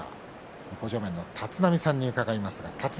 向正面の立浪さんに伺います。